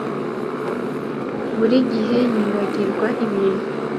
Buri gihe yibagirwa ibintu